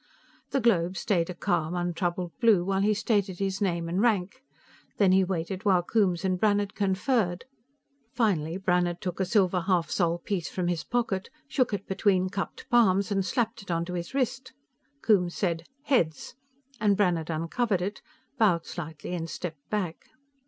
The globe stayed a calm, untroubled blue while he stated his name and rank. Then he waited while Coombes and Brannhard conferred. Finally Brannhard took a silver half sol piece from his pocket, shook it between cupped palms and slapped it onto his wrist. Coombes said, "Heads," and Brannhard uncovered it, bowed slightly and stepped back.